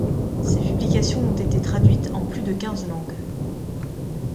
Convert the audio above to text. Ses publications ont été traduites en plus de quinze langues.